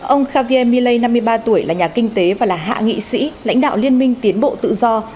ông javier milley năm mươi ba tuổi là nhà kinh tế và là hạ nghị sĩ lãnh đạo liên minh tiến bộ tự do